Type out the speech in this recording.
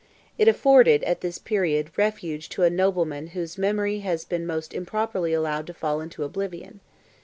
It afforded, at this period, refuge to a nobleman whose memory has been most improperly allowed to fall into oblivion.